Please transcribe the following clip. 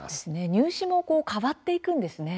入試も変わっていくんですね。